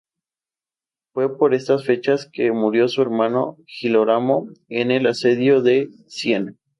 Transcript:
Fue por estas fechas que murió su hermano Girolamo en el asedio de Siena.